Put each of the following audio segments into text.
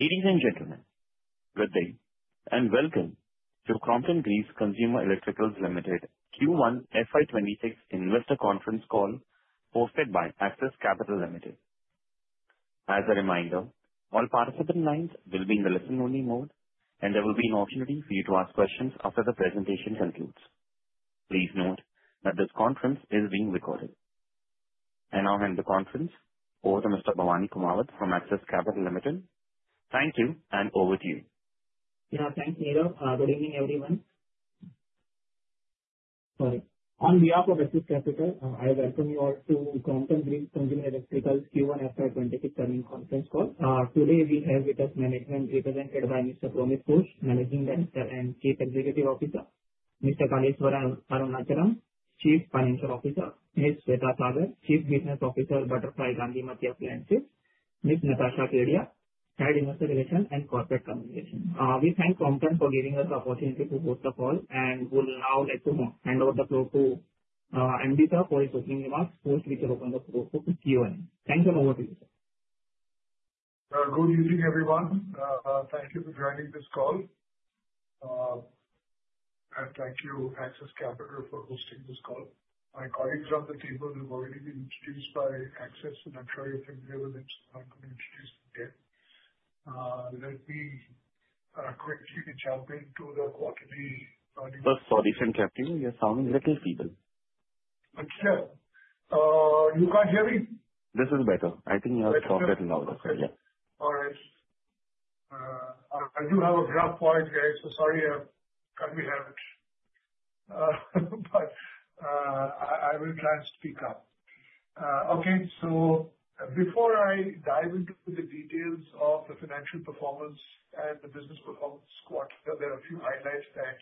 Ladies and gentlemen, good day, and welcome to Crompton Greaves Consumer Electricals Limited's Q1 FY 2026 Investor Conference Call hosted by Axis Capital Limited. As a reminder, all participant lines will be in the listen-only mode, and there will be an opportunity for you to ask questions after the presentation concludes. Please note that this conference is being recorded. I now hand the conference over to Mr. Bhavani Kumarat from Axis Capital Limited. Thank you, and over to you. Yeah, thanks, Nira. Good evening, everyone. On behalf of Axis Capital Limited, I welcome you all to Crompton Greaves Consumer Electricals Q1 FY 2026 Learning Conference Call. Today, we have with us management represented by Mr. Promeet Ghosh, Managing Director and Chief Executive Officer; Mr. Kaleeswaran Arunachalam, Chief Financial Officer; Ms. Shweta Sagar, Chief Business Officer, Butterfly Gandhimathi Appliances Limited; Ms. Natasha Kedia, Head of Investor Relations and Corporate Communications. We thank Crompton for giving us the opportunity to host the call, and now let us hand over the floor to MD&CEO for his opening remarks. After that, we will open the floor for Q&A. Thank you and over to you. Good evening, everyone. Thank you for joining this call. Thank you Axis Capital Limited for hosting this call. My colleague John Patil will be introduced by Crompton Greaves Consumer Electricals Limited and they will. Company's face to face. Let me quickly jump into the quality audio. Oh, sorry for interrupting. You sound like you have a little fever. You can't hear me? This is better. I think you have stronger loudness, yeah. All right. I do have a graph for it, so sorry if I can't have it. I will try to speak up. Okay, before I dive into the details of the financial performance and the business performance quarter, there are a few highlights that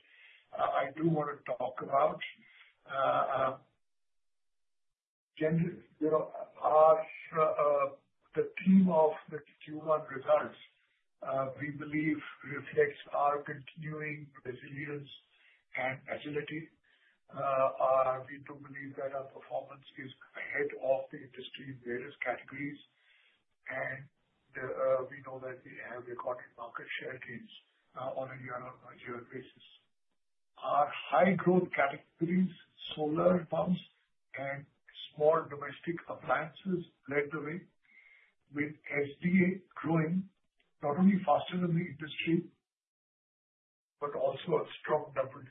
I do want to talk about. Generally, the theme of the Q1 results, we believe, reflects our continuing resilience and agility. We do believe that our performance is ahead of the industry in various categories. We know that we have recorded market share gains on a year-on-year basis. Our high-growth categories, solar pumps and more domestic appliances, led the way, with SDA growing not only faster than the industry, but also at strong number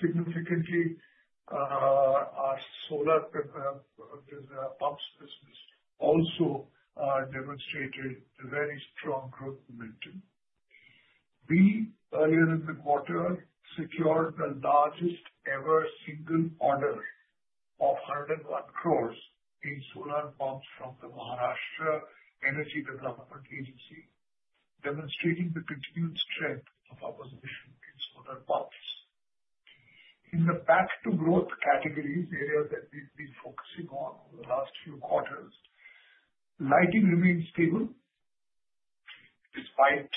change. Numbers. Significantly, our solar pumps also demonstrated very strong growth. Earlier in the quarter, we secured the largest ever single order of 101 crore in solar pumps from the Maharashtra Energy Development Agency, demonstrating the continued strength of our position in solar pumps. In the path to growth categories, the area that we've been focusing on over the last few quarters, lighting remains stable despite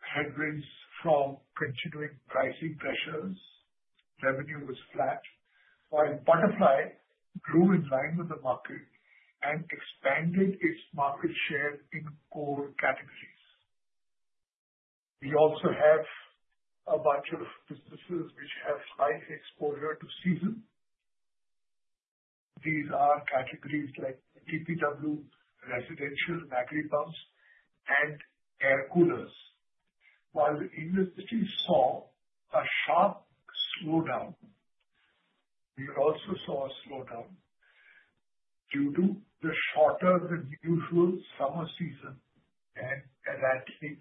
headwinds from continuing pricing pressures. Revenue was flat, while Butterfly grew in line with the market and expanded its market share in core categories. We also have a bunch of businesses which have high exposure to sales. These are categories like TPW, residential, battery pumps, and air coolers. While the industry saw a sharp slowdown, we also saw a slowdown due to the shorter than usual summer season and erratic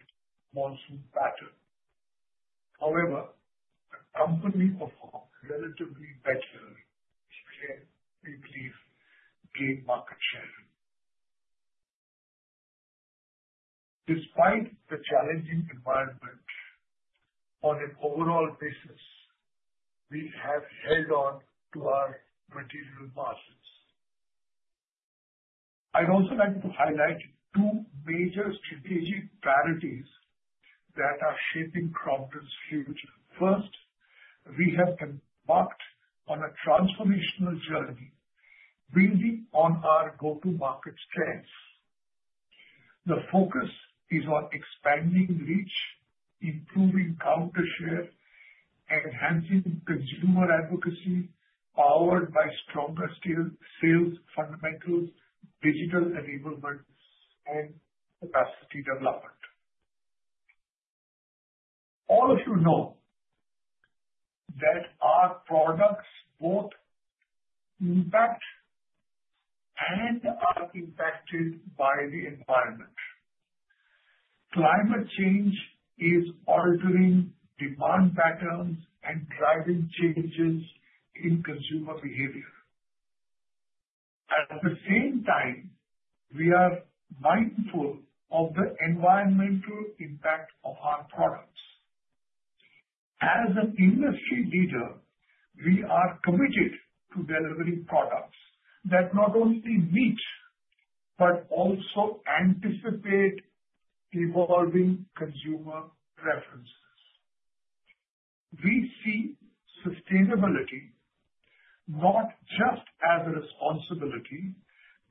monsoon pattern. However, companies of relatively high sales still maintained market share. Despite the challenging environment, on an overall basis, we have held on to our resilience margins. I'd also like to highlight two major strategic strategies that are shaping Crompton's future. First, we have embarked on a transformational journey, building on our go-to-market strengths. The focus is on expanding in reach, improving market share, and enhancing consumer advocacy powered by stronger sales fundamentals, digital enablement, and capacity development. All of you know that our products both impact and are impacted by the environment. Climate change is altering demand patterns and driving changes in consumer behavior. At the same time, we are mindful of the environmental impact of our products. As an industry leader, we are committed to delivering products that not only meet but also anticipate evolving consumer preferences. We see sustainability not just as a responsibility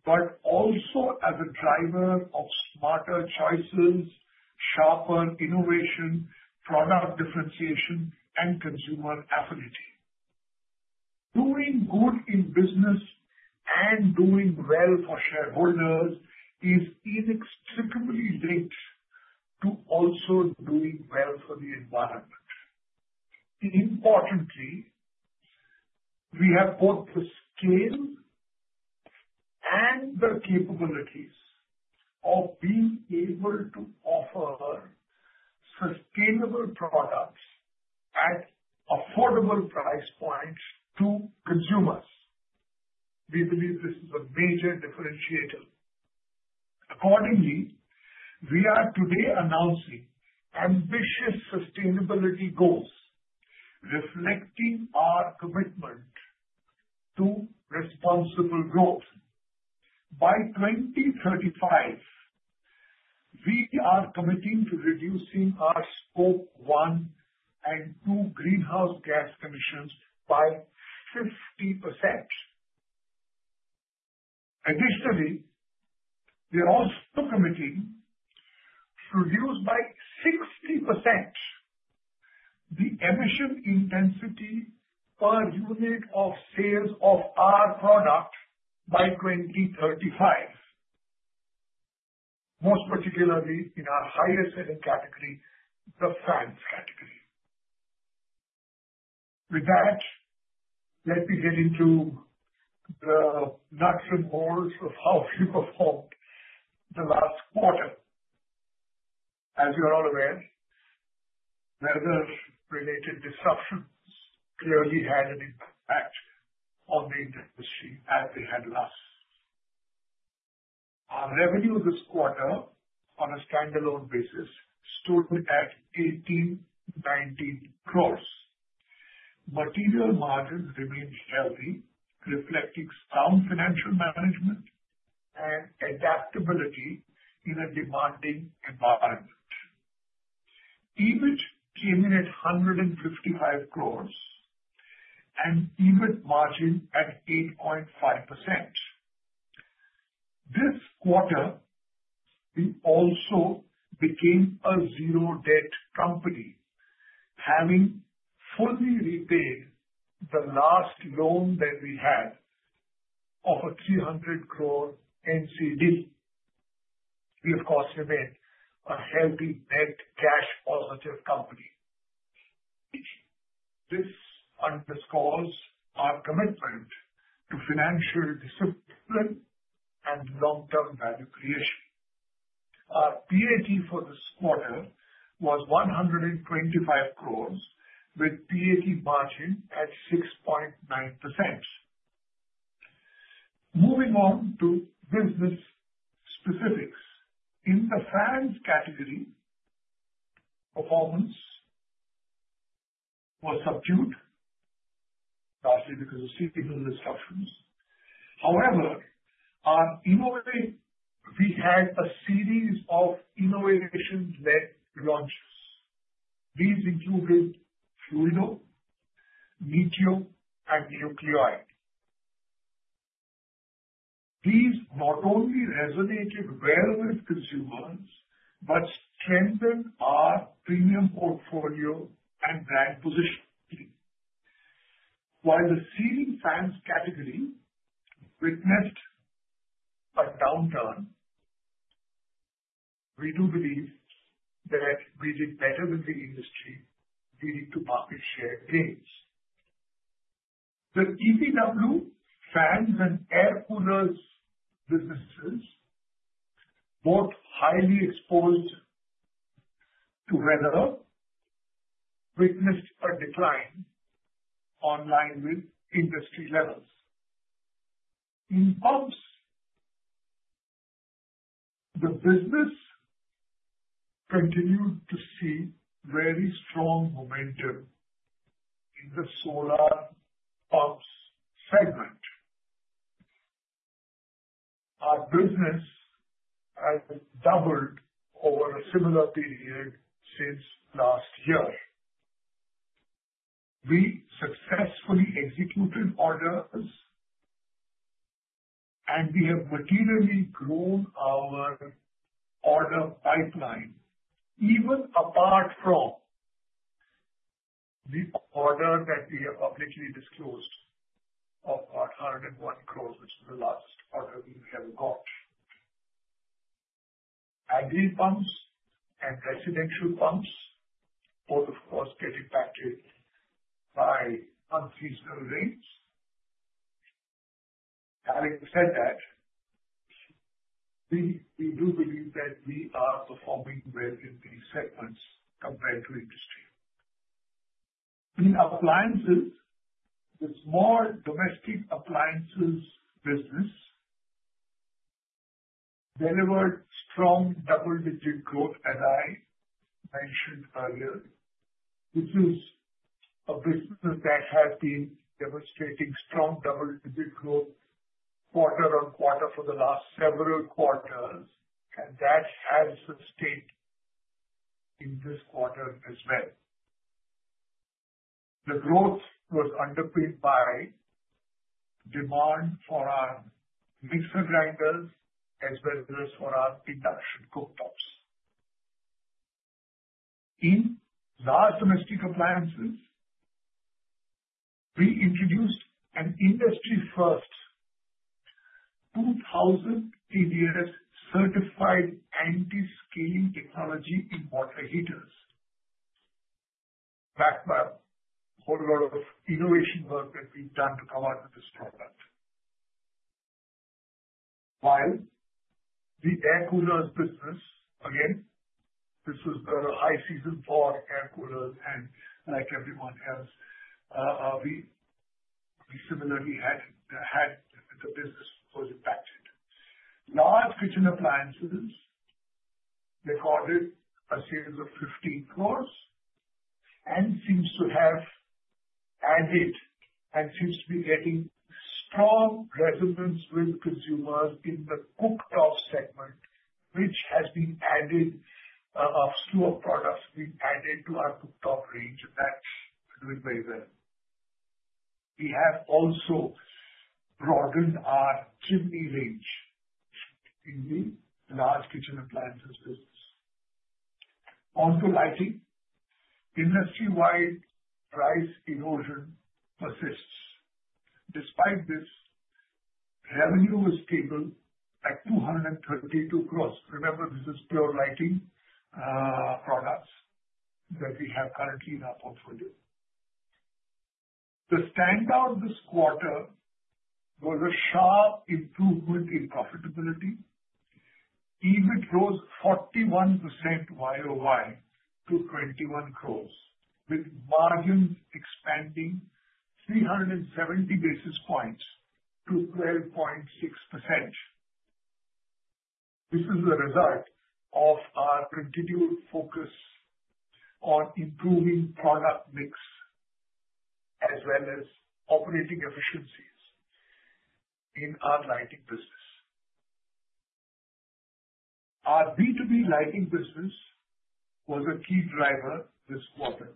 but also as a driver of smarter choices, sharper innovation, product differentiation, and consumer affinity. Doing good in business and doing well for shareholders is inextricably linked to also doing well for the environment. Importantly, we have both the scale and the capabilities of being able to offer sustainable products at affordable price points to consumers. We believe this is a major differentiator. Accordingly, we are today announcing ambitious sustainability goals reflecting our commitment to responsible growth. By 2035, we are committing to reducing our Scope one and two greenhouse gas emissions by 50%. Additionally, we are also committing to reduce by 60% the emission intensity per unit of sales of our product by 2035, most particularly in our highest-selling category, the fans category. With that, let me get into the nuts and bolts of how we performed the last quarter. As you are all aware, weather-related disruptions clearly had an impact on the industry as it had lasted. Our revenue this quarter, on a standalone basis, stood at 1,800 - 1,900 crores. Material margins remained healthy, reflecting sound financial management and adaptability in a demanding environment. EBIT came in at 155 crores and EBIT margin at 8.5%. This quarter, we also became a zero-debt company, having fully repaid the last loan that we had of a 300 crore NCD loan. We, of course, have been a healthy debt cash overdraft company. This underscores our commitment to financial discipline and long-term value creation. Our PAT for this quarter was 125 crores with PAT margin at 6.9%. Moving on to business specifics, in the fans category, performance was subdued, partially because of system disruptions. However, we had a series of innovations that launched. We've included Fluido, Meteo, and Nuclei. These not only resonated well with consumers but strengthened our premium portfolio and brand positioning. While the sealed fans category witnessed a downturn, we do believe that we did better than the industry due to market share gains. The TPW fans and air coolers businesses, both highly exposed to weather, witnessed a decline in line with industry levels. In pumps, the business continues to see very strong momentum in the solar pumps segment. Our business has doubled over a similar period since last year. We successfully executed orders, and we have materially grown our order pipeline even apart from this order that we have publicly disclosed of INR 101 crore in the last quarter being done. Agri pumps and residential pumps both, of course, get impacted by unseasonal rains. Having said that, we do believe that we are performing well in these segments compared to industry. In appliances, the small domestic appliances business delivered strong double-digit growth as I mentioned earlier. This is a business that has been demonstrating strong double-digit growth quarter on quarter for the last several quarters, and that has sustained in this quarter as well. The growth was underpinned by demand for our distributors and residents for our industrial cooktops. In large domestic appliances, we introduced an industry-first 2,000 TDS certified anti-steaming technology in water heaters. That's where a whole world of innovation work has been done to come out of this product. While the air cooler business, again, this was the high season for air coolers, and like everyone else, we similarly had the business was impacted. Large kitchen appliances recorded a series of 15 crore and seems to have added and seems to be getting strong resonance with consumers in the cooktop segment, which has been added a few of products being added to our cooktop range. That's doing very well. We have also broadened our chimney range in the large kitchen appliances. On to lighting, industry-wide price erosion persists. Despite this, revenue was stable at 232 crore. Remember, this is pure lighting products that we have currently in our portfolio. The standout of this quarter was a sharp improvement in profitability. EBIT growth 41% YOY to 21 crore, with margins expanding 370 basis points to 12.6%. This is a result of our continual focus on improving product mix as well as operating efficiencies in our lighting business. Our B2B lighting business was a key driver this quarter,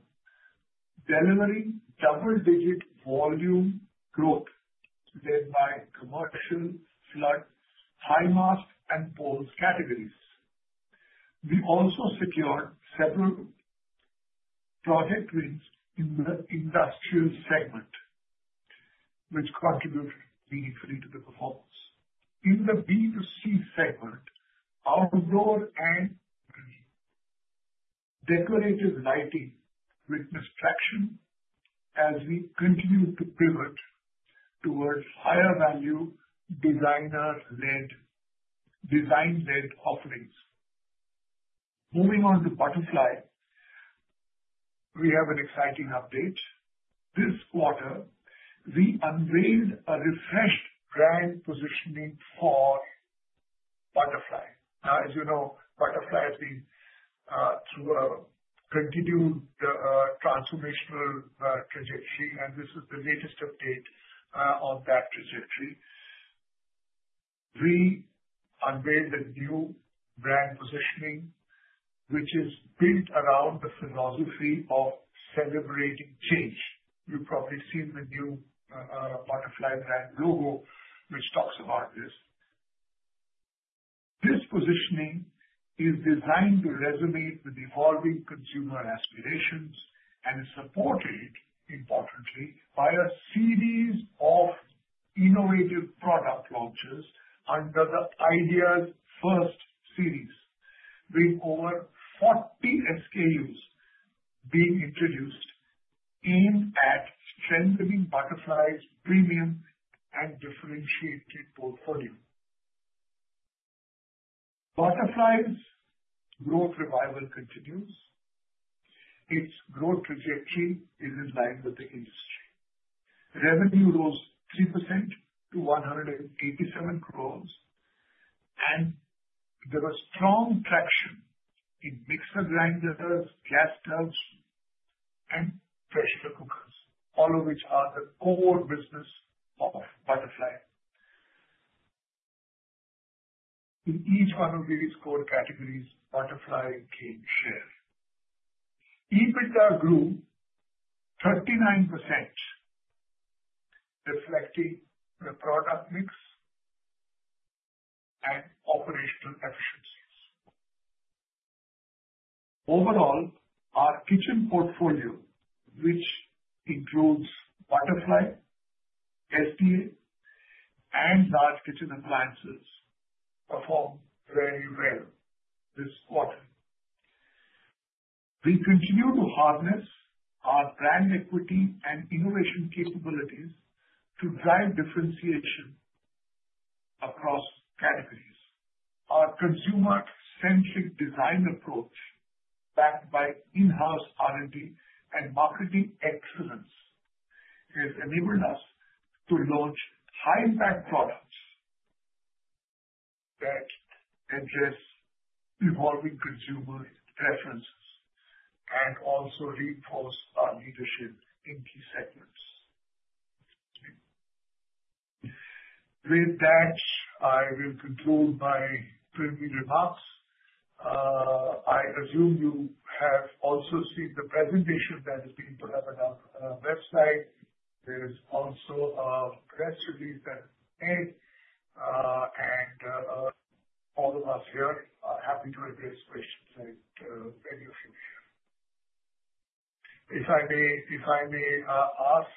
generating double-digit volume growth, led by commercial, flood, fine mask, and bowls categories. We also secured several project rings in the industrial segment, which contributed beautifully to the performance. In the B2C segment, our broadband decorative lighting witnessed traction as we continue to pivot toward higher-value designer-led offerings. Moving on to Butterfly, we have an exciting update. This quarter, we unveiled a refreshed brand positioning for Butterfly. Now, as you know, Butterfly has been through a continued transformational trajectory, and this is the latest update on that trajectory. We unveiled a new brand positioning, which is built around the philosophy of celebrating change. You've probably seen the new Butterfly brand logo, which talks about this. This positioning is designed to resonate with the evolving consumer aspirations and is supported, importantly, by a series of innovative product launches under the Ideas First series, with over 40 SKUs being introduced aimed at strengthening Butterfly's premium and differentiated portfolio. Butterfly's growth revival continues. Its growth trajectory is in line with the industry. Revenue rose 3% to 137 crore, and there was strong traction in mixer grinders, gas grills, and pressure cookers, all of which are the core business of Butterfly. In each one of these core categories, Butterfly gained share. EBITDA grew 39%, reflecting the product mix and operational efficiencies. Overall, our kitchen portfolio, which includes Butterfly, SDA, and large kitchen appliances, performed very well this quarter. We continue to harness our brand equity and innovation capabilities to drive differentiation across categories. Our consumer-centric design approach, backed by in-house R&D and marketing excellence, has enabled us to launch high-end products that address evolving consumers' preference and also reinforce our leadership in key segments. With that, I will conclude by closing remarks. I assume you have also seen the presentation that is being put up on our website. There's also a press release that's made, and all of us here are happy to address questions that are suggested. If I may, if I may ask,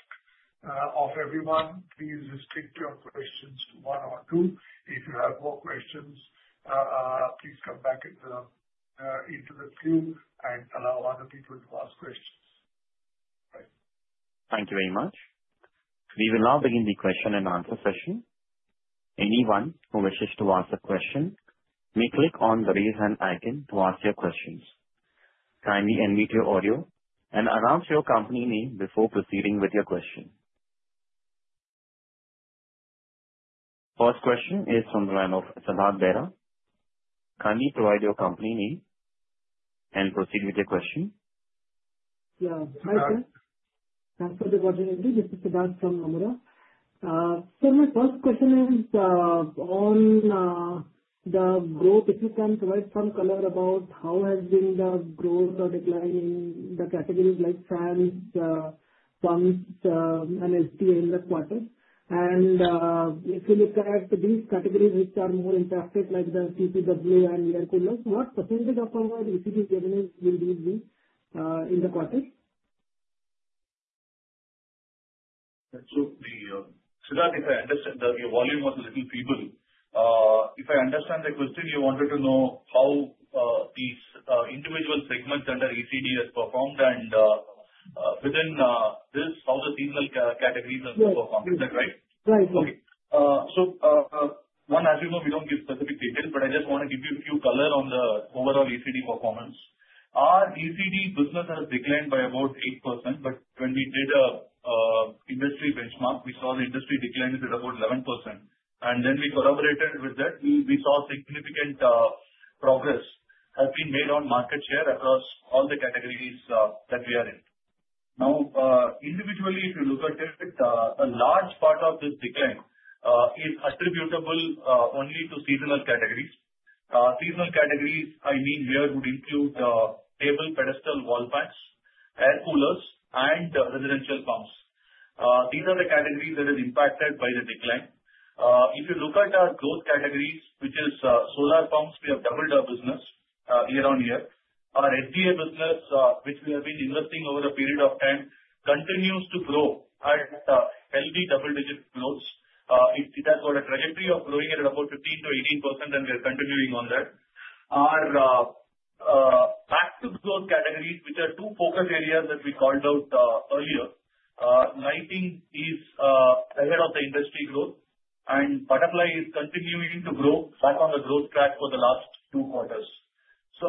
of everyone, please restrict your questions to one or two. If you have more questions, please come back into the queue and allow other people to ask questions. Thank you very much. We will now begin the question and answer session. Anyone who wishes to ask a question may click on the raise hand icon to ask your questions. Kindly unmute your audio and announce your company name before proceeding with your question. First question is from the line of Siddhartha Bera. Kindly provide your company name and proceed with your question. Yeah. Thanks for the opportunity. This is Siddhartha from Normura. My first question is, on the growth, if you can provide some color about how has been the growth or decline in the categories like fans, pumps, and SDA in the quarter. If you look at these categories which are more impacted, like the TPW and the air coolers, what % of our ECD revenue will be in the quarter? If I understand, your volume was a little feeble. If I understand the question, you wanted to know how these individual segments under ECD have performed and, within this, how the seasonal categories have performed. Is that right? Right. Okay. As you know, we don't give specific details, but I just want to give you a few colors on the overall ECD performance. Our ECD business has declined by about 8%. When we did an industry benchmark, we saw the industry decline to about 11%. We corroborated with that. We saw significant progress has been made on market share across all the categories that we are in. Now, individually, if you look at it, a large part of this decline is attributable only to seasonal categories. Seasonal categories here would include table, pedestal, wall fans, air coolers, and residential pumps. These are the categories that are impacted by the decline. If you look at our growth categories, which is solar pumps, we have doubled our business year on year. Our SDA business, which we have been investing over a period of time, continues to grow at healthy double-digit growth. It has on a trajectory of growing at about 15% - 18%, and we are continuing on that. Back to growth categories, which are two focus areas that we called out earlier, lighting is ahead of the industry growth, and Butterfly is continuing to grow back on the growth track for the last two quarters.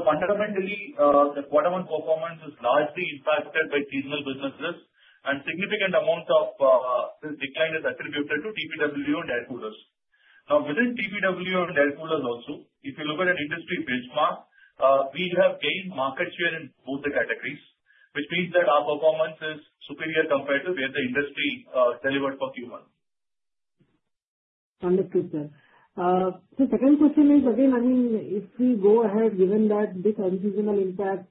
Fundamentally, the quarter one performance is largely impacted by seasonal businesses, and a significant amount of this decline is attributed to TPW and air coolers. Within TPW and air coolers also, if you look at an industry benchmark, we have gained market share in both the categories, which means that our performance is superior compared to where the industry delivered for Q1. Thank you, sir. Second question is, again, I mean, if we go ahead, given that this unseasonal impact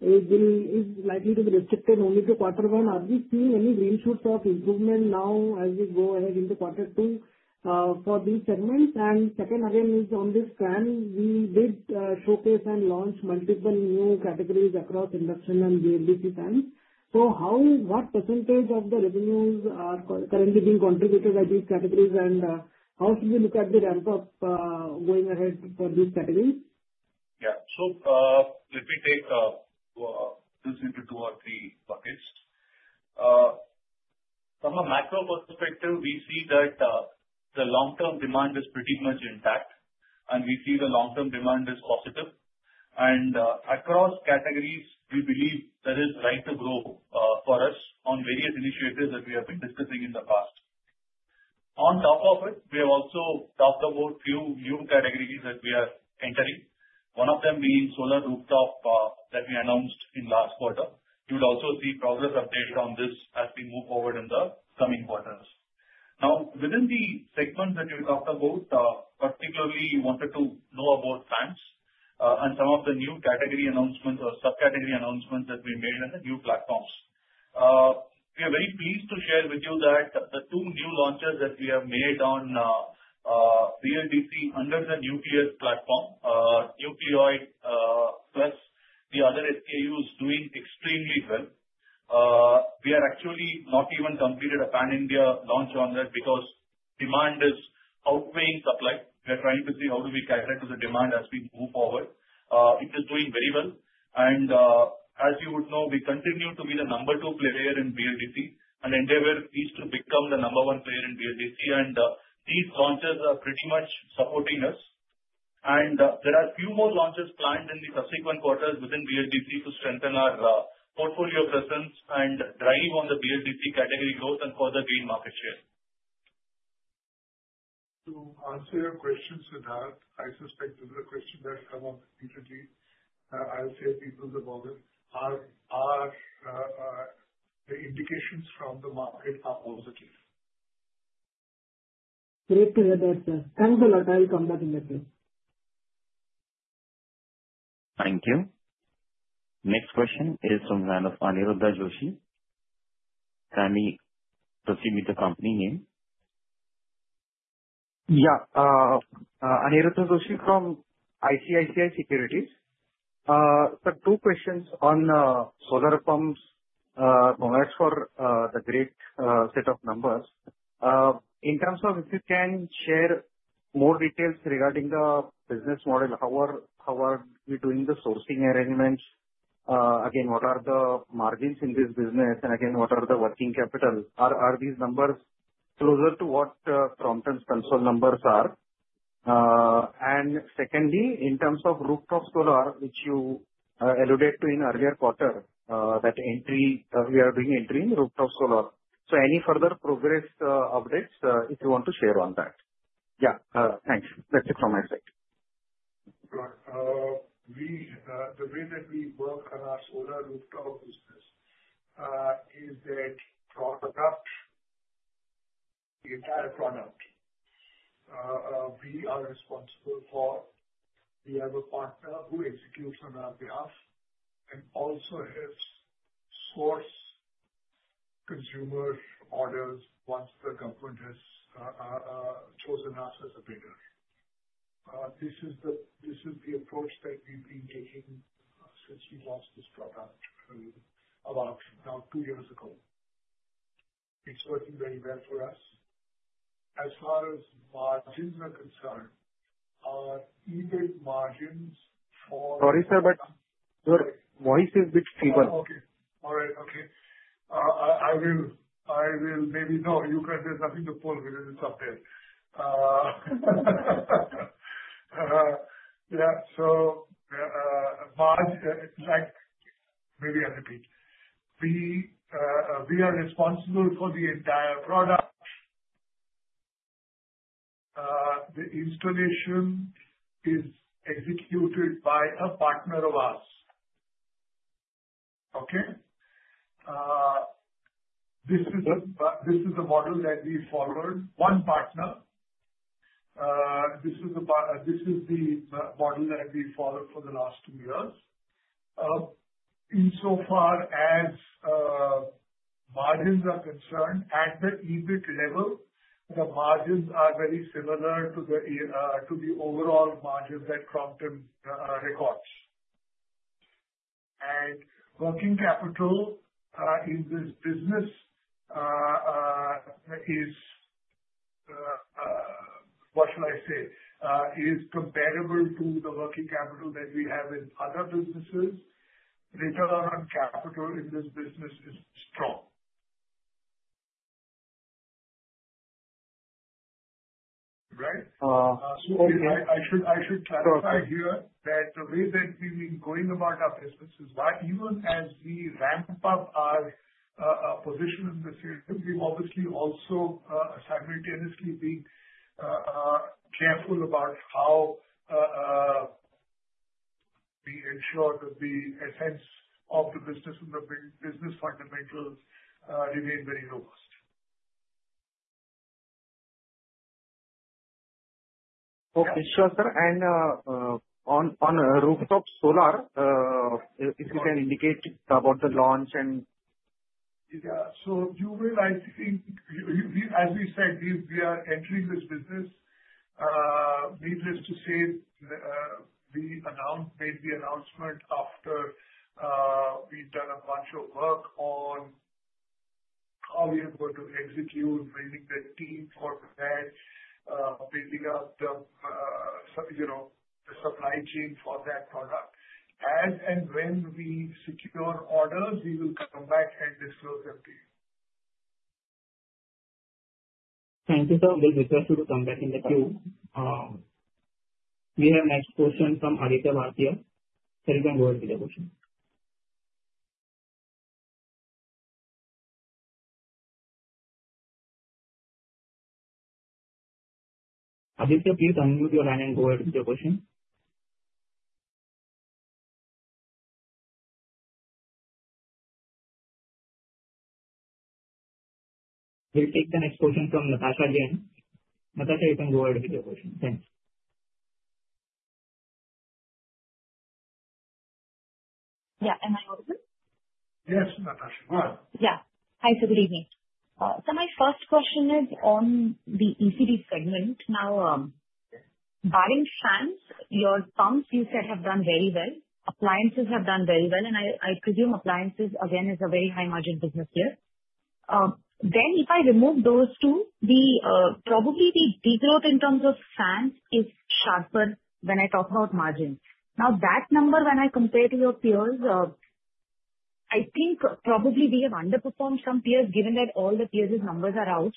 is likely to be restricted only to quarter one, are we seeing any green shoots of improvement now as you go ahead into quarter two for these segments? Second, again, is on this plan. We did showcase and launch multiple engineering categories across industry and BLDC plans. What percentage of the revenues are currently being contributed by these categories, and how should we look at the ramp-up going ahead for these categories? Yeah. Let me take this into our key focus. From a macro perspective, we see that the long-term demand is pretty much intact, and we see the long-term demand is positive. Across categories, we believe there is drive to grow for us on various initiatives that we have been discussing in the past. On top of it, we have also talked about a few new categories that we are entering, one of them being solar rooftop that we announced in last quarter. You'd also see progress updated on this as we move forward in the coming quarters. Now, within the segments that we talked about, particularly you wanted to know about fans and some of the new category announcements or subcategory announcements that we made in the new platforms. We are very pleased to share with you that the two new launches that we have made on BLDC under the Nuclei platform, Nuclei, plus the other SKUs, are doing extremely well. We have actually not even completed a Pan India launch on that because demand is outweighing supply. We are trying to see how do we catch up to the demand as we move forward. It is doing very well. As you would know, we continue to be the number two player in BLDC, and our endeavor is to become the number one player in BLDC. These launches are pretty much supporting us. There are a few more launches planned in the subsequent quarters within BLDC to strengthen our portfolio presence and drive on the BLDC category growth and further gain market share. To answer your questions with that, I suspect this is a question that some of the people need. I'll share it with you in a moment. Are the indications from the market positive? Great to hear that, sir. Thanks a lot, I'll come back in a bit. Thank you. Next question is from the line of Aniruddha Joshi. Can he proceed with the company name? Yeah. Aniruddha Joshi from ICICI Securities. Two questions on solar pumps. As for the great set of numbers, in terms of if you can share more details regarding the business model, how are you doing the sourcing arrangements? What are the margins in this business? What are the working capital? Are these numbers closer to what Crompton's control numbers are? Secondly, in terms of rooftop solar, which you alluded to in earlier quarter, that entry we are doing entry in rooftop solar. Any further progress updates if you want to share on that? Yeah. Thanks. That's it from my side. The way that we work on our solar rooftop business is that for the product, the entire product, we are responsible for. We have a partner who executes on our graphs and also has for consumer orders once the government has chosen us as a bidder. This is the approach that we've been taking since we launched this product about two years ago. It's working very well for us. As far as margins are concerned, our EBIT margins for. Sorry, sir. Sorry. Why is it a bit feeble? Okay. All right. We'll just stop there. Maybe I'll repeat. We are responsible for the entire product. The installation is executed by a partner of ours. This is a model that we followed. One partner. This is the model that we followed for the last two years. Insofar as margins are concerned, at the EBIT level, the margins are very similar to the overall margin that Crompton records. Working capital in this business is, what should I say, is comparable to the working capital that we have in other businesses. Return on capital in this business is strong. Right? Sorry, I should clarify here that the way that we've been going about our business is why even as we ramp up our position in the system, we've obviously also simultaneously been careful about how we ensure that the essence of the business and the business fundamentals remain very robust. Okay. Sir, on rooftop solar, if you can indicate about the launch. Yeah, as we said, we are entering this business. We just received the announcement after we've done a bunch of work on how we are going to execute, really testing for that, the supply chain for that product. As and when we secure orders, we will come back and disclose it to you. Thank you, sir. We'll request you to come back in the queue. We have next question from Aditya Bhartia. Tell us, Aditya, please unmute your line and go ahead with your question. We'll take the next question from Natasha Jain. Natasha, you can go ahead with your question. Thanks. Yeah, am I open? Yes, Natasha. Yeah. Hi. Good evening. My first question is on the ECD segment. Barring fans, your pumps, you said, have done very well. Appliances have done very well. I presume appliances, again, is a very high-margin business here. If I remove those two, probably the degrowth in terms of fans is sharper when I talk about margins. That number, when I compare to your peers, I think probably we have underperformed some peers given that all the peers' numbers are out.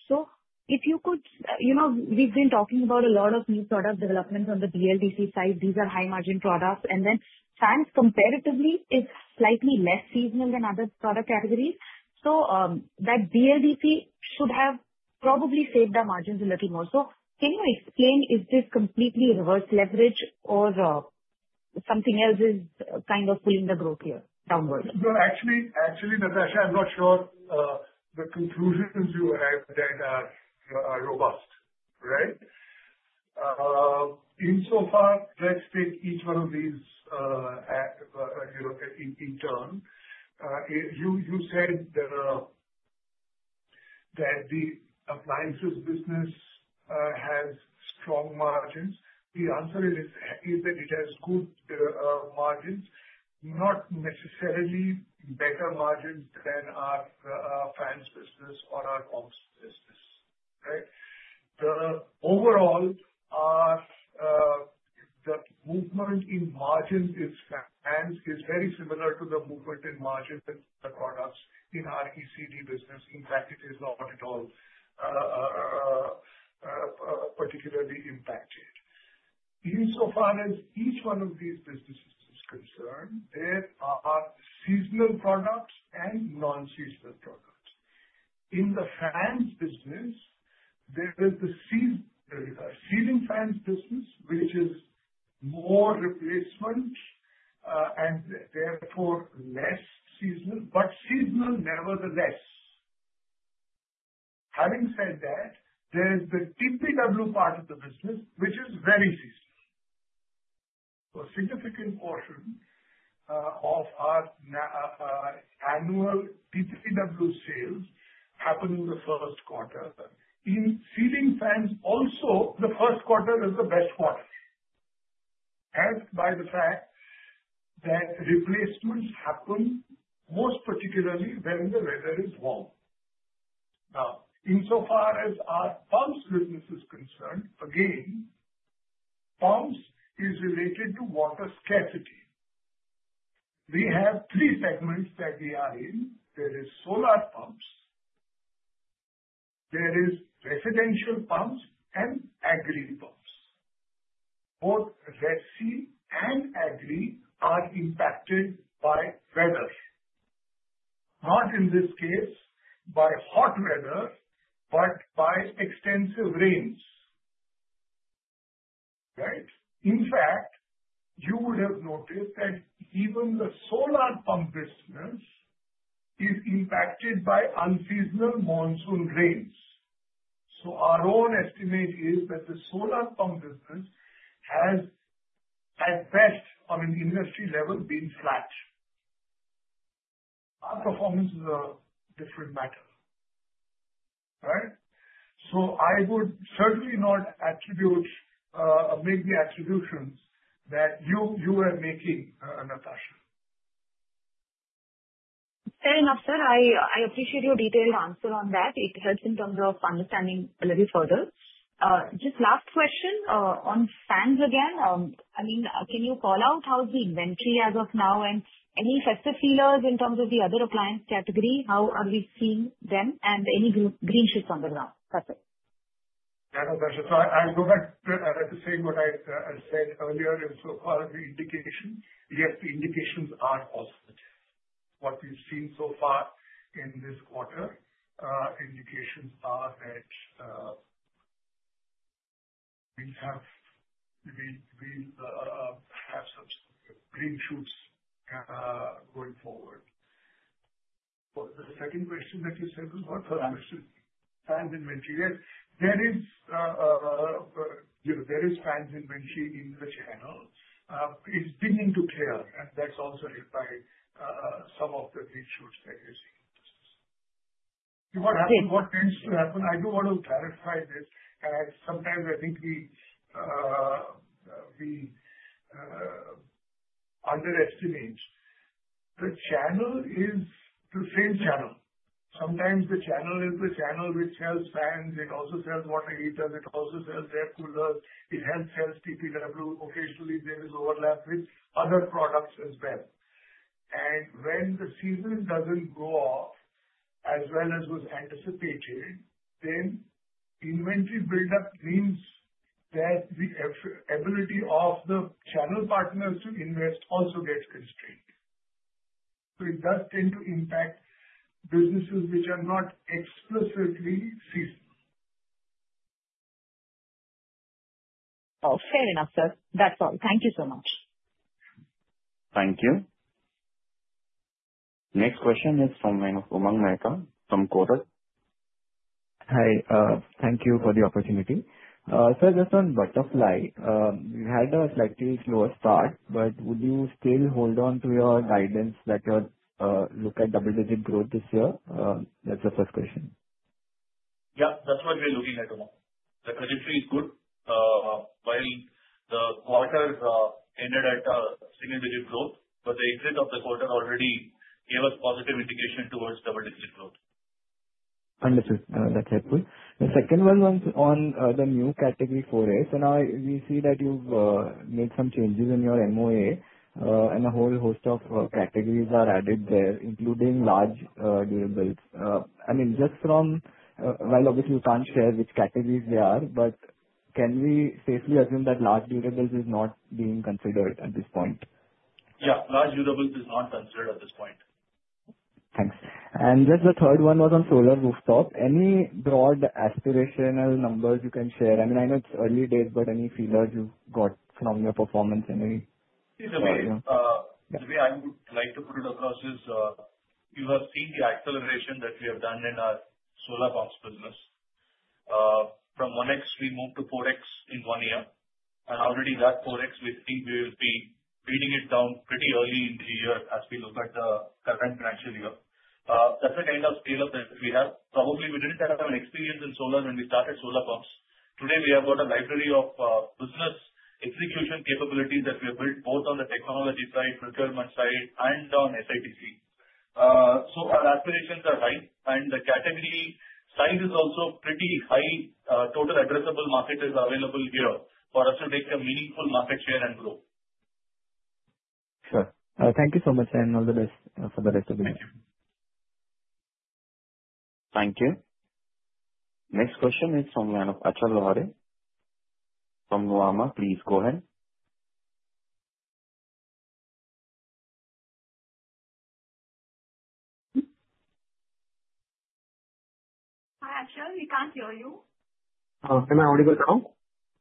If you could, you know, we've been talking about a lot of new product developments on the BLDC side. These are high-margin products. Fans, comparatively, are slightly less seasonal than other product categories. That BLDC could have probably saved the margins a little more. Can you explain, is this completely reverse leverage or is something else kind of pulling the growth here downward? No, actually, Natasha, I'm not sure the conclusions you arrived at are robust, right? Insofar as let's take each one of these in turn. You said that the appliances business has strong margins. The answer is exactly that it has good margins, not necessarily better margins than our fans business or our pumps business, right? Overall, the movement in margins in fans is very similar to the movement in margins in the products in our ECD business. In fact, it is not at all particularly impacted. Insofar as each one of these businesses is concerned, there are seasonal products and non-seasonal products. In the fans business, there is the ceiling fans business, which is more replacement, and therefore less seasonal, but seasonal nevertheless. Having said that, there's the TPW part of the business, which is very seasonal. A significant portion of our annual TPW sales happen in the first quarter. In ceiling fans also, the first quarter is the best quarter as by the fact that replacements happen most particularly when the weather is warm. Insofar as our pumps business is concerned, again, pumps is related to water scarcity. We have three segments that we are in. There is solar pumps, there is residential pumps, and agri pumps. Both residential and agri are impacted by weather, not in this case by hot weather, but by extensive rains, right? In fact, you would have noticed that even the solar pump business is impacted by unseasonal monsoon rains. Our own estimate is that the solar pump business has, at best, on an industry level, been flat. Our performance in the district matters, right? I would certainly not make the attributions that you are making, Natasha. Fair enough, sir. I appreciate your detailed answer on that. It helps in terms of understanding a little further. Just last question, on fans again. I mean, can you call out how the inventory is as of now and any faster sellers in terms of the other appliance category, how are we seeing them and any green shoots on the ground? That's it. Yeah, no pressure. I'll do that. I'll explain what I said earlier insofar as the indication. Yes, the indications are positive. What we've seen so far in this quarter, indications are that we have green shoots going forward. The second question that you said was what fans inventory? Yes, there is fans inventory in the channel. It's been into care, and that's also led by some of the green shoots that we're seeing. What tends to happen, I do want to clarify this, and sometimes I think we underestimate the channel, is the same channel. Sometimes the channel is the channel which sells fans. It also sells water heaters. It also sells air coolers. It helps sell TPW. Occasionally, there is overlap with other products as well. When the season doesn't go off as well as was anticipated, then inventory build-up means that the ability of the channel partners to invest also gets constrained. It does tend to impact businesses which are not explicitly seen. Oh, fair enough, sir. That's all. Thank you so much. Thank you. Next question is from the line of Umang Mehta from Kohrat. Hi. Thank you for the opportunity. Sir, just on Butterfly, we had a slightly slower start, but would you still hold on to your guidance that you look at double-digit growth this year? That's the first question. Yeah, that's what we're looking at. The trajectory is good. While the quarter ended at a single-digit growth, the exit of the quarter already gave us positive indication towards double-digit growth. Understood. That's helpful. The second one on the new category 4 is, we see that you've made some changes in your MOA, and a whole host of categories are added there, including large durables. Obviously, you can't share which categories they are, but can we safely assume that large durables is not being considered at this point? Yeah, large domestic appliances is not considered at this point. Thanks. Just the third one was on solar rooftop. Any broad aspirational numbers you can share? I mean, I know it's early days, but any feelers you've got from your performance anyway? Yeah, what I would like to put across is you have seen the acceleration that we have done in our solar pumps business. From 1X, we moved to 4X in one year. Already that 4X, we think we'll be beating it down pretty early into the year as we look at the current financial year. That's the kind of scale that we have. Probably we didn't set up an experience in solar when we started solar pumps. Today, we have got a library of business execution capabilities that we have built both on the technology side, procurement side, and on SIPC. Our aspirations are high, and the category size is also pretty high. Total addressable market is available here for us to take a meaningful market share and grow. Sure. Thank you so much, and all the best for the rest of the year. Thank you. Next question is from the line of Acha Lohade from Nuvama. Please go ahead. Hi, Acha? We can't hear you. Can my audio come?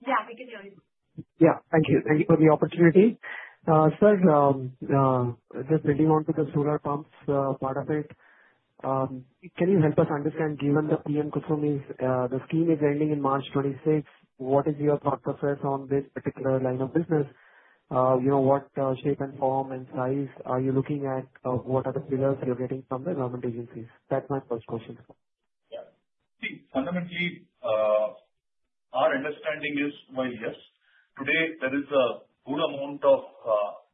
Yeah, we can hear you. Thank you. Thank you for the opportunity. Sir, we're building onto the solar pumps part of it. Can you help us understand, given the PM cooking is, the theme is ending in March 2026, what is your thought process on this particular line of business? You know, what shape and form and size are you looking at? What are the pillars you're getting from the government agencies? That's my first question. Fundamentally, our understanding is, yes. Today, there is a good amount of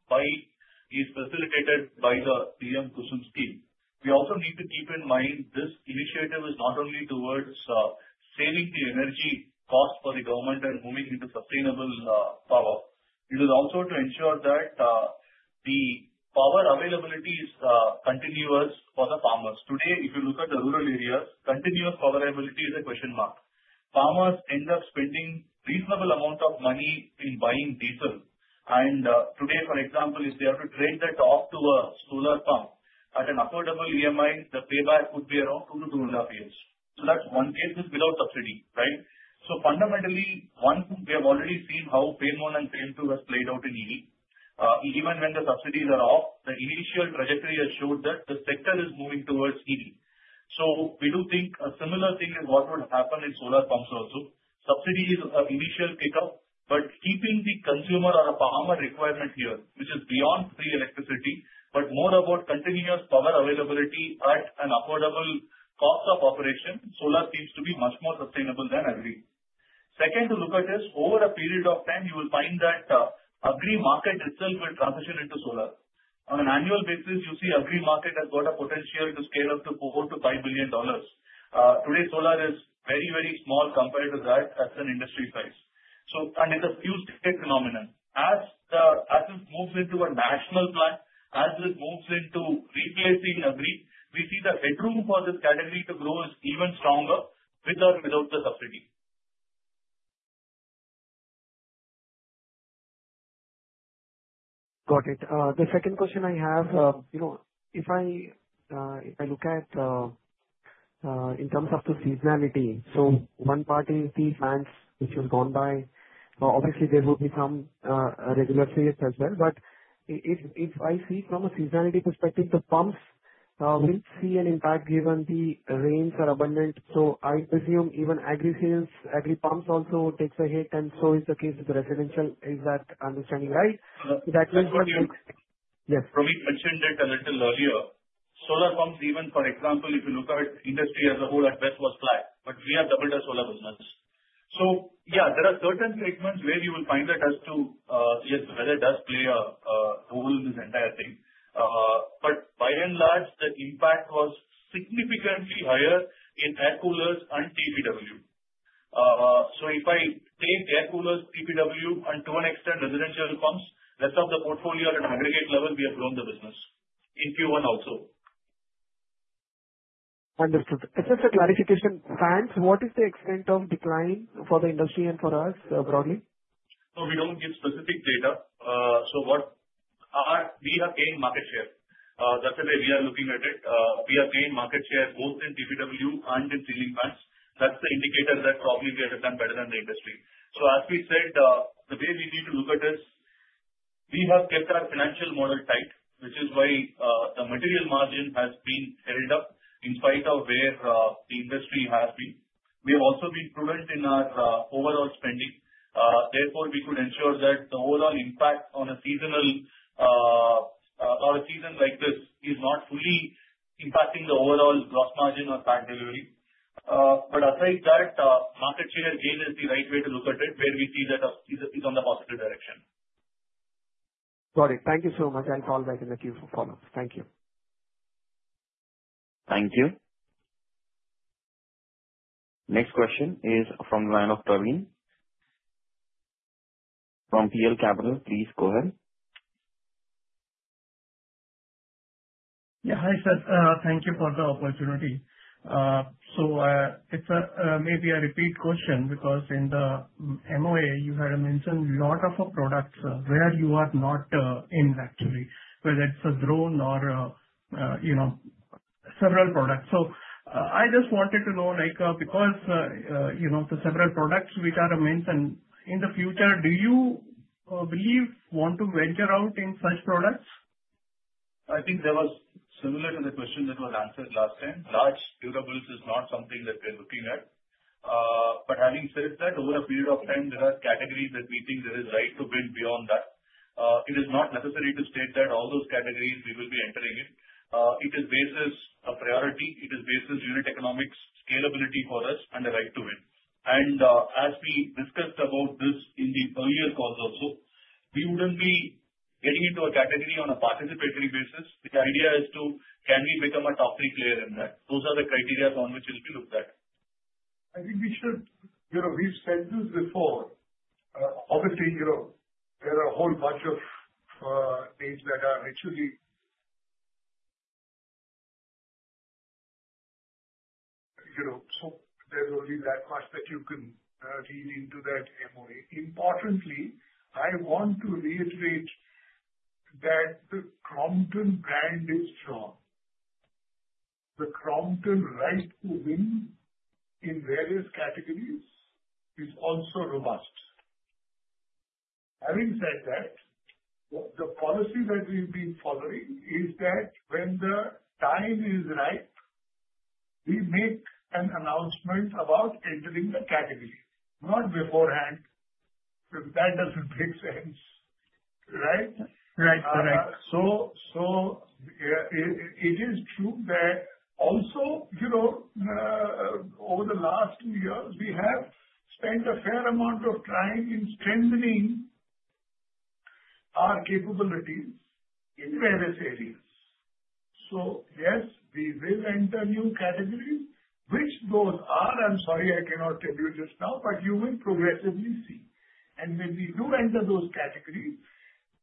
pile that is precipitated by the PM cooking scheme. We also need to keep in mind this initiative is not only towards saving the energy costs for the government and moving into sustainable power. It is also to ensure that the power availability is continuous for the farmers. Today, if you look at the rural areas, continuous power availability is a question mark. Farmers end up spending reasonable amounts of money in buying diesel. For example, if they have to trade that off to a solar pump at an affordable EMI, the payback would be around two to two and a half years. That one case is without subsidy, right? Fundamentally, once we have already seen how PAM 1 and PAM 2 has played out in EV, even when the subsidies are off, the initial trajectory has showed that the sector is moving towards EV. We do think a similar thing is what would happen in solar pumps also. Subsidy is an initial kickoff, but keeping the consumer or a farmer requirement here, which is beyond free electricity, but more about continuous power availability at an affordable cost of operation, solar seems to be much more sustainable than agri. Second, to look at this, over a period of time, you will find that agri market itself will transition into solar. On an annual basis, you see agri market has got a potential to scale up to $4 billion - $5 billion. Today, solar is very, very small compared to that as an industry size. It is a huge phenomenon. As this moves into a national plan, as this moves into replacing agri, we see the petrol deposit category to grow even stronger with or without the subsidy. Got it. The second question I have, if I look at in terms of the seasonality, one part is the fans which you've gone by. Obviously, there will be some residential sales as well. If I see from a seasonality perspective, the pumps will see an impact given the rains are abundant. I presume even agri sales, agri pumps also take a hit. Is the case with the residential. Is that understanding right? Yes. That will be the next thing. Let me touch on that a little earlier. Solar pumps, even, for example, if you look at industry as a whole at West Coast Fly, but we have the vendor solar business. There are certain segments where you will find that, yes, the vendor does play a role in this entire thing. By and large, the impact was significantly higher in air coolers and TPW. If I take air coolers, DPW, and to an extent residential pumps, the rest of the portfolio at an aggregate level, we have grown the business if you want also. Understood. Just a clarification, fans, what is the extent of decline for the industry and for us broadly? We don't give specific data. What we have gained is market share. That's the way we are looking at it. We have gained market share both in TPW and in ceiling fans. That's the indicator that probably we have become better than the industry. As we said, the way we need to look at this, we have kept our financial model tight, which is why the material margin has been held up in spite of where the industry has been. We have also been prudent in our overall spending. Therefore, we could ensure that the overall impact on a seasonal, or a season like this, is not fully impacting the overall gross margin or fan delivery. Otherwise, that market share gain is the right way to look at it, where we see that is a bit on the positive direction. Got it. Thank you so much. I'll call back in the queue for follow-ups. Thank you. Thank you. Next question is from the line of Praveen from PL Capital, please go ahead. Yeah. Hi, sir. Thank you for the opportunity. It's maybe a repeat question because in the MOA, you had mentioned a lot of products where you are not in, actually, whether it's a drone or, you know, several products. I just wanted to know, because, you know, the several products which are amazing, in the future, do you believe want to venture out in such products? I think that was similar to the question that was answered last time. Large durables is not something that we're looking at. However, having said that, over a period of time, there are categories that we think there is a right to win beyond that. It is not necessary to state that all those categories we will be entering in. It is based on a priority. It is based on unit economics, scalability for us, and the right to win. As we discussed about this in the earlier calls also, we wouldn't be getting into a category on a participatory basis. The idea is to, can we become a top three player in that? Those are the criteria on which we need to look at. I think we should, you know, we've said this before. Obviously, you know, there are a whole bunch of things that are actually, you know, so there will be that prospect you can read into that MOA. Importantly, I want to reiterate that the Crompton brand is strong. The Crompton right to win in various categories is also robust. Having said that, the policy that we'll be following is that when the time is right, we make an announcement about entering the category, not beforehand. That doesn't make sense, right? Right. Yes, it is true that, over the last year, we have spent a fair amount of time in strengthening our capabilities in various areas. Yes, we will enter new categories, which those are, I'm sorry, I cannot tell you just now, but you will progressively see. When we do enter those categories,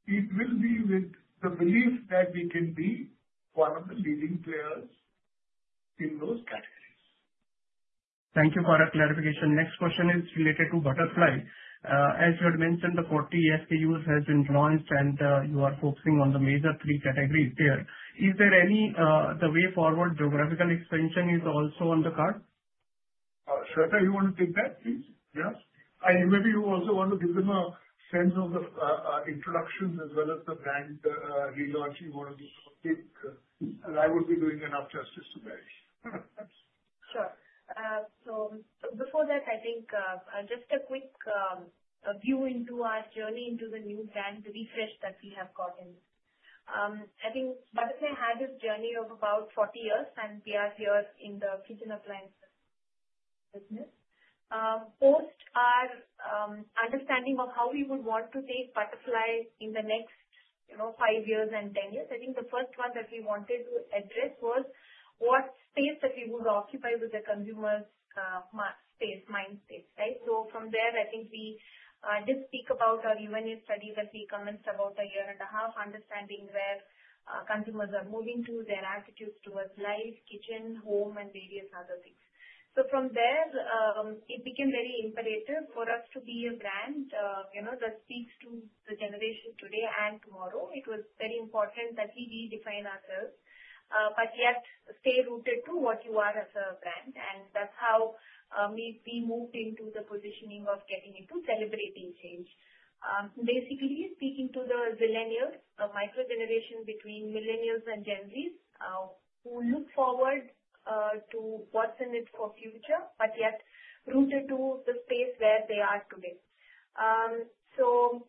it will be with the belief that we can be one of the leading players in those categories. Thank you for the clarification. Next question is related to Butterfly. As you had mentioned, the 40 SKUs have been launched, and you are focusing on the major three categories there. Is there any way forward, geographical expansion is also on the card? Swetha, you want to take that, please? Yes. Maybe you also want to give them a sense of the introductions as well as the brand relaunching. I think I will be doing enough justice to that. Sure. Before that, just a quick view into our journey into the news and the research that we have gotten. I think Butterfly had a journey of about 40 years, and we are here in the kitchen appliances business. Post our understanding of how we would want to take Butterfly in the next, you know, five years and 10 years, the first one that we wanted to address was what space that we would occupy with the consumer's mind space, right? From there, we did speak about our UNAIDS study that we commenced about a year and a half, understanding where consumers are moving to, their attitudes towards life, kitchen, home, and various other things. From there, it became very imperative for us to be a brand that speaks to the generation today and tomorrow. It was very important that we redefine ourselves, but yet stay rooted to what you are as a brand. That's how we moved into the positioning of getting into celebrity change. Basically, speaking to the millennials, a microgeneration between millennials and Gen Zs, who look forward to what's in it for the future, but yet rooted to the space where they are today.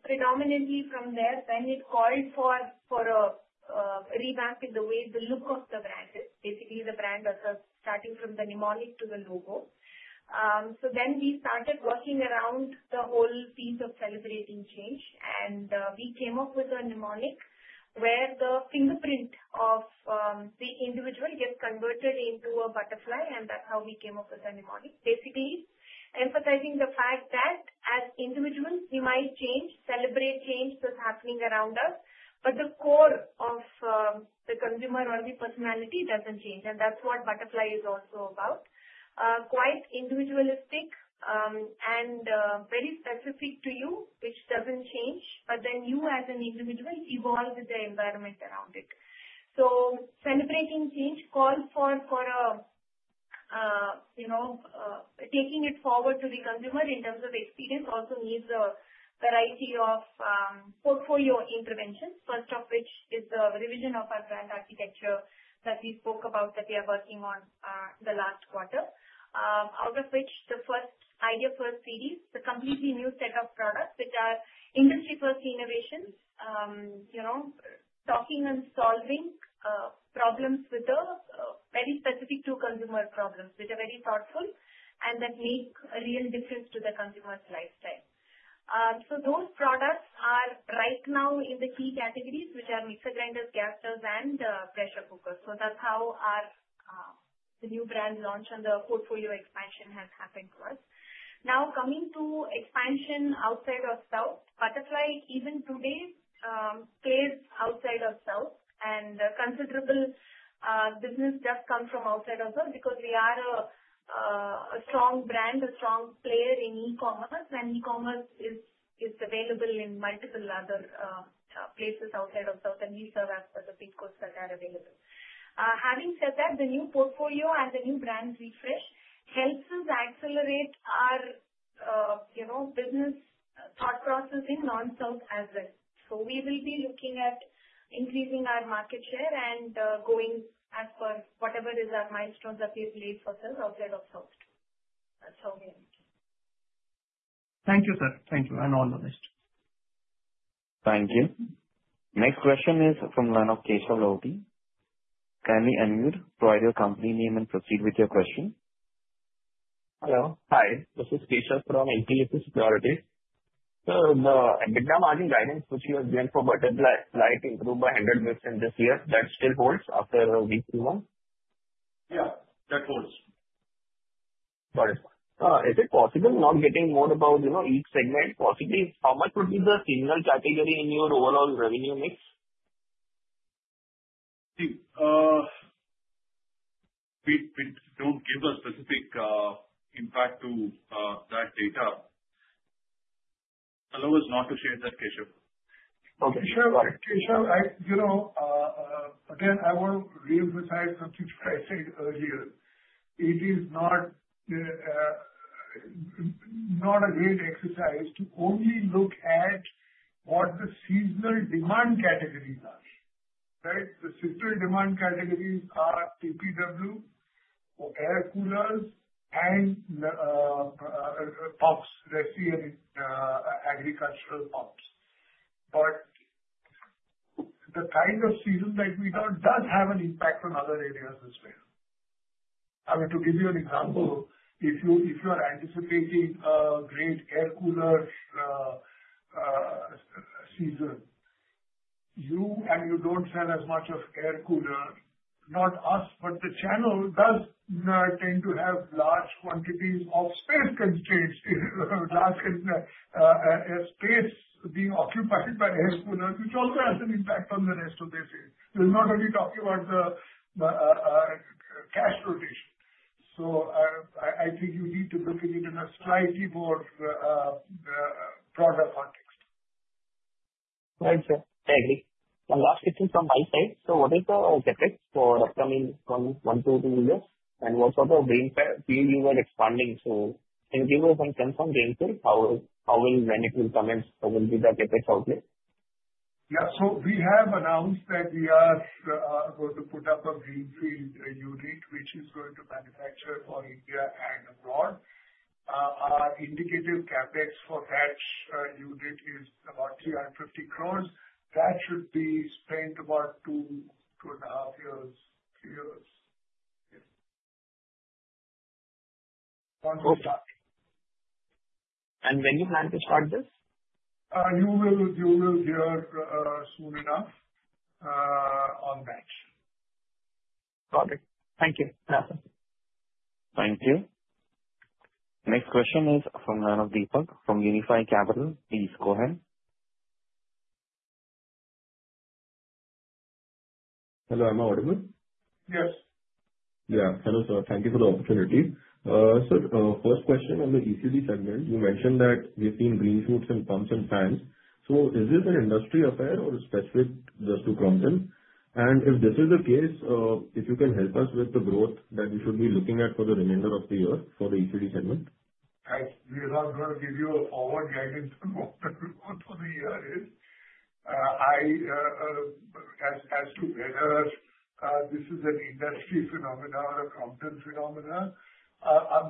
Predominantly from there, it called for a revamp in the way the look of the brand is. Basically, the brand does have, starting from the mnemonic to the logo. We started working around the whole piece of celebrating change, and we came up with a mnemonic where the fingerprint of the individual gets converted into a butterfly. That's how we came up with the mnemonic, basically emphasizing the fact that as individuals, we might change, celebrate change that's happening around us, but the core of the consumer or the personality doesn't change. That's what Butterfly is also about, quite individualistic and very specific to you, which doesn't change, but then you as an individual evolve with the environment around it. Celebrating change, core for taking it forward to the consumer in terms of experience, also needs a variety of portfolio interventions, first of which is the revision of our brand architecture that we spoke about, that we are working on the last quarter. Out of which the first Ideas First series, the completely new set of products which are industry-first innovations, talking and solving problems with the very specific to consumer problems, which are very thoughtful and that make a real difference to the consumer's lifestyle. Those products are right now in the key categories, which are mixer grinders, gas stoves, and pressure cookers. That's how the new brand launch and the portfolio expansion has happened to us. Now, coming to expansion outside of South, Butterfly even today plays outside of South. A considerable business does come from outside of South because we are a strong brand, a strong player in E-commerce. E-commerce is available in multiple other places outside of South, and we serve as the seat coats that are available. Having said that, the new portfolio and the new brand refresh helps us accelerate our business thought processing non-South as well. We will be looking at increasing our market share and going as far as whatever is our milestones that we've laid for sale outside of South. That's how we are. Thank you, sir. Thank you, and all the list. Thank you. Next question is from the line of Keshal Lodhi. Can we unmute, provide your company name, and proceed with your question? Hello. Hi. This is Keshal from NTMC Securities. In the middle margin guidance, which you have given for Butterfly to improve by 100 bps in this year, that still holds after week two? Yeah, that holds. Got it. Is it possible not getting more about, you know, each segment? Possibly. How much would be the single category in your overall revenue mix? We don't give a specific impact to that data. Allow us not to share that, Keshal. Okay. Sure. You know, again, I want to reemphasize something I said earlier. It is not a great exercise to only look at what the seasonal demand categories are, right? The seasonal demand categories are DPW, air coolers, and pumps, residential, agricultural pumps. The kind of season that we've done does have an impact on other areas as well. I mean, to give you an example, if you are anticipating a great air cooler season, you and you don't sell as much of air cooler, not us, but the channel does not tend to have large quantities of space constraints. There's space being occupied by air coolers, which also has an impact on the rest of the sales. We're not only talking about the cash flow ratio. I think you need to look at it in a slightly more broader context. Thanks, sir. I agree. One last question from my side. What is the aesthetics for upcoming one, two, three years? What sort of greenfield are you expanding to? If you know some terms on greenfield, when will it come in, what will be the aesthetics outlook? Yeah. We have announced that we are going to put up a greenfield unit, which is going to manufacture for India and abroad. Our indicative CapEx for that unit is about 350 crore. That should be spent, about two, two in a half years, three years. When do you plan to start this? You will hear soon enough on that. Got it. Thank you. Thank you. Next question is from the line of Deepak from Unified Capital. Please go ahead. Hello. Am I audible? Yes. Hello, sir. Thank you for the opportunity. Sir, first question on the TPW segment. You mentioned that we've seen green shoots in pumps and fans. Is this an industry affair or specific just to Crompton? If this is the case, if you can help us with the growth that we should be looking at for the remainder of the year for the ECD segment? We're not going to give you all the guidance for the growth of the year as to whether this is an industry phenomena or a Crompton phenomena.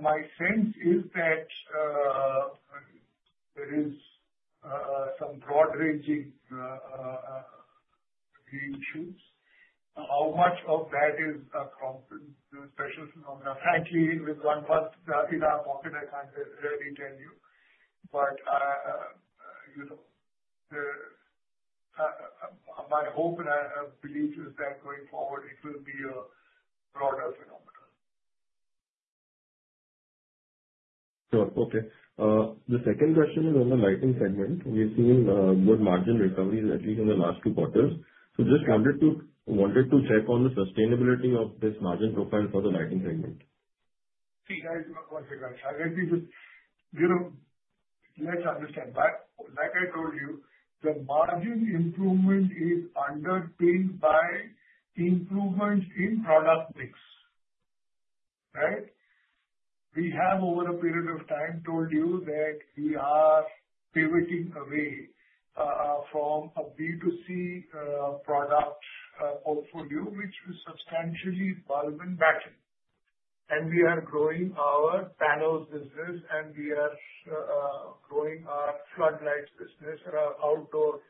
My sense is that there is some broad-ranging green shoots. How much of that is a Crompton special phenomena? Frankly, with one pump starting up, I cannot really tell you. My hope and I believe is that going forward, it will be a broader phenomena. Sure. The second question is on the lighting segment. We've seen good margin recoveries, at least in the last two quarters. Just wanted to check on the sustainability of this margin profile for the lighting segment. See, what's it? You have to understand. Like I told you, the margin improvement is underpinned by the improvements in product mix, right? We have over a period of time told you that we are pivoting away from a B2C product portfolio, which is substantially bald and batted. We are growing our panels business, and we are growing our floodlights business and our outdoor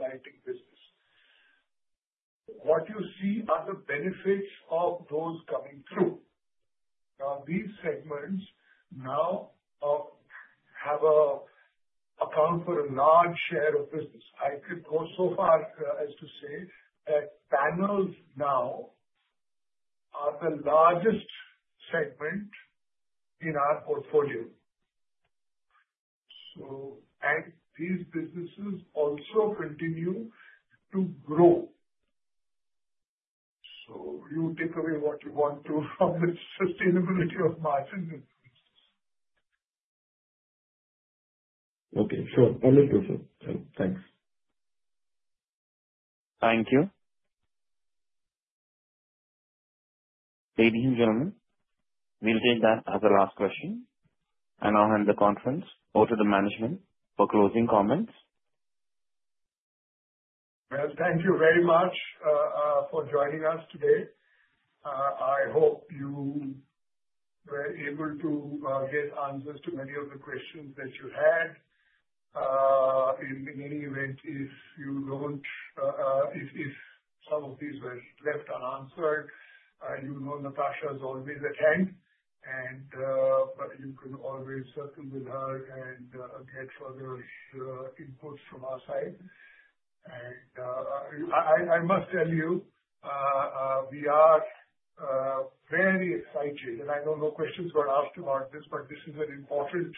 lighting business. What you see are the benefits of those going through. Now, these segments now account for a large share of business. I could go so far as to say that panels now are the largest segment in our portfolio. These businesses also continue to grow. You take away what you want to from the sustainability of margin. Okay. Sure. All inclusive. Thanks. Thank you. Ladies and gentlemen, we'll take that as the last question. I'll hand the conference over to the management for closing comments. Thank you very much for joining us today. I hope you were able to get answers to many of the questions that you had. In any event, if you don't, if all of these were left unanswered, you know Natasha is always attentive, and you can always circle with her and get further inputs from our side. I must tell you, we are very excited. I know no questions were asked about this, but this is an important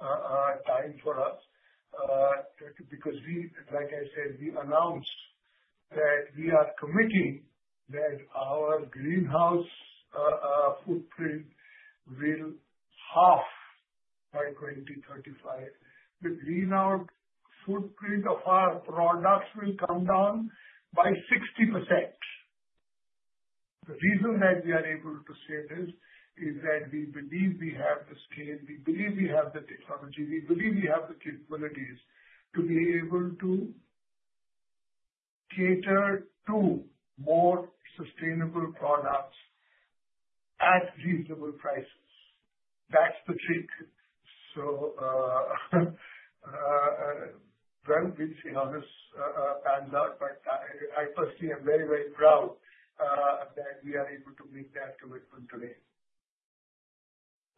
time for us because, like I said, we announced that we are committing that our greenhouse footprint will halve by 2035. The greenhouse footprint of our products will come down by 60%. The reason that we are able to say this is that we believe we have the scale, we believe we have the technology, we believe we have the capabilities to be able to cater to more sustainable products at reasonable prices. That's the thing. This announcement stands out, but I personally am very, very proud that we are able to meet that commitment today.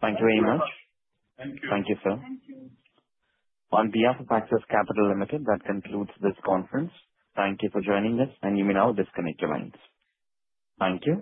Thank you very much. Thank you, sir. On behalf of Axis Capital Limited, that concludes this conference. Thank you for joining us, and you may now disconnect your lines. Thank you.